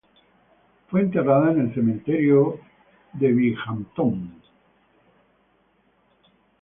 Fue enterrado en el cementerio de Binghamton.